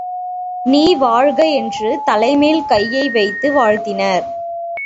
நீ வாழ்க! என்று தலைமேல் கையை வைத்து வாழ்த்தினார்.